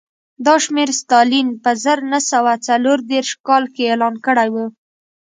دا شمېر ستالین په زر نه سوه څلور دېرش کال کې اعلان کړی و